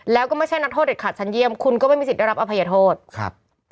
แล้วก็ไม่ใช่นักโทษเด็ดขาดชั้นเยี่ยมคุณก็ไม่มีสิทธิ์ได้รับอภัยโทษครับ